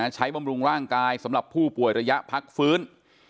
บำรุงร่างกายสำหรับผู้ป่วยระยะพักฟื้น